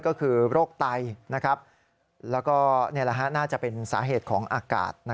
ก็คือโรคไตแล้วก็น่าจะเป็นสาเหตุของอากาศ